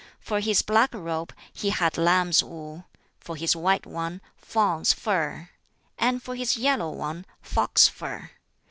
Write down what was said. For his black robe he had lamb's wool; for his white one, fawn's fur; and for his yellow one, fox fur.